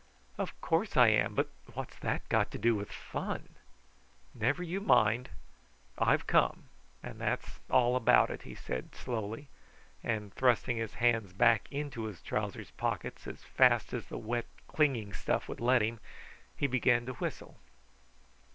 "Of course I am; but what's that got to do with fun?" "Never you mind; I've come, and that's all about it," he said slowly; and thrusting his hands back into his trousers' pockets as fast as the wet clinging stuff would let him, he began to whistle.